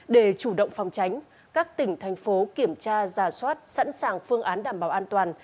để chủ động phòng tránh các tỉnh thành phố kiểm tra giả soát sẵn sàng phương án đảm bảo an toàn